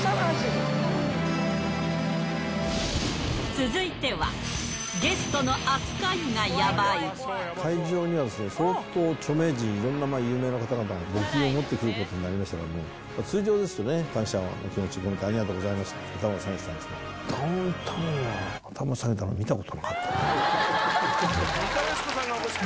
続いては、会場には、相当、著名人、いろいろな有名な方が募金を持ってくることになりまして、通常ですとね、感謝の気持ちを込めてありがとうございますと、頭を下げてたんですけれども、ダウンタウンは頭下げたの、見たことなかったですね。